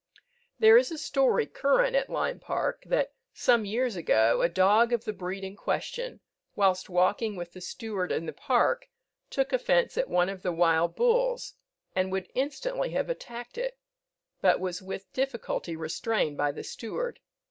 There is a story current at Lyme Park, that some years ago a dog of the breed in question, whilst walking with the steward in the park, took offence at one of the wild bulls, and would instantly have attacked it, but was with difficulty restrained by the steward.